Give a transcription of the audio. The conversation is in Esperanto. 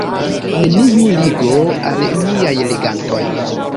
Neniu ligo al miaj legantoj.